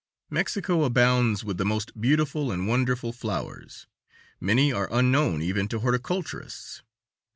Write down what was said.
Mexico abounds with the most beautiful and wonderful flowers. Many are unknown even to horticulturists.